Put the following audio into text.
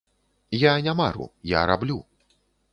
Я не мару, я раблю.